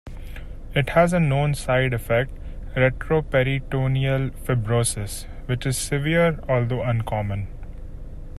It has a known side effect, retroperitoneal fibrosis, which is severe, although uncommon.